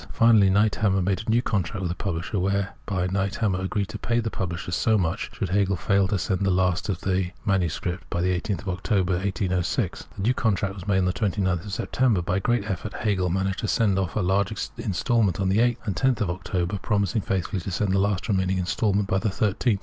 Finally, Niethammer made a new contract with the pubhsher, whereby Niethammer agreed to pay the pubhsher so much should Hegel fail to senc the last of the MS. by the 18th October, 1806. This new^ contract was made on 29th September. By great effort,! ■ Hegel managed to send off large instalments on the 8th' and on 10th of October, promising faithfully to send the last remaining instalment by the 13th.